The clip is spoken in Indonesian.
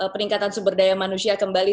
peningkatan sumber daya manusia kembali